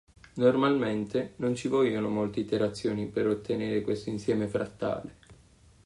Normalmente, non ci vogliono molte iterazioni per ottenere questo insieme frattale.